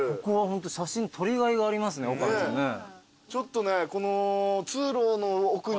ちょっとねこの。